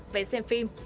vé xem phim